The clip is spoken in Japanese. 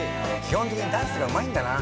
基本的にダンスがうまいんだな。